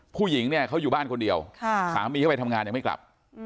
ผู้หญิงเนี่ยเขาอยู่บ้านคนเดียวสามีเขาไปทำงานยังไม่กลับ